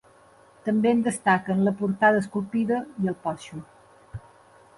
També en destaquen la portada esculpida i el porxo.